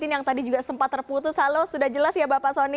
yang tadi juga sempat terputus halo sudah jelas ya bapak soni